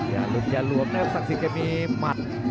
อย่าหลุดอย่าหลวมนะครับศักดิ์สิทธิ์จะมีหมัด